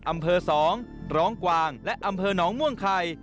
อำเภอ๒ร้องกวางและอำเภอหนองม่วงไข่